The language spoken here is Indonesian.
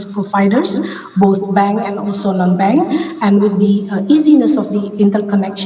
sekaligus dari bank dan juga non bank dengan kemudahan interkoneksi